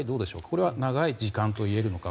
決して、長い時間といえるのか。